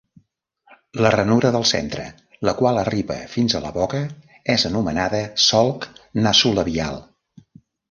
La ranura del centre, la qual arriba fins a la boca, és anomenada solc nasolabial.